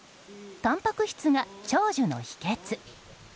たんぱく質が長寿の秘訣。